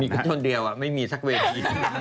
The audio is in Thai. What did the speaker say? มีคนเดียวอ่ะไม่มีสักเวที